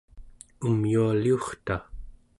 umyualiurta